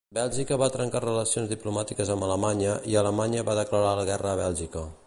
Bèlgica va trencar relacions diplomàtiques amb Alemanya i Alemanya va declarar la guerra a Bèlgica.